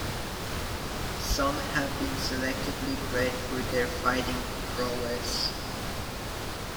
Some have been selectively bred for their fighting prowess.